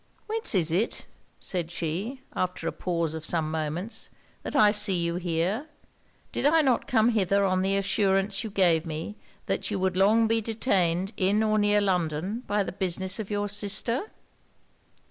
'Whence is it,' said she, after a pause of some moments, that I see you here? Did I not come hither on the assurance you gave me that you would long be detained in or near London by the business of your sister?'